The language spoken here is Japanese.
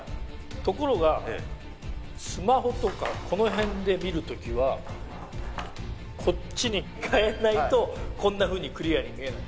ところがスマホとかこの辺で見る時はこっちにかえないとこんなふうにクリアに見えない。